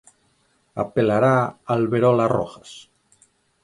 Apelará Alberola Rojas?